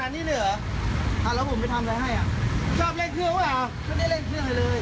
ไม่ได้เล่นเครื่องให้เลย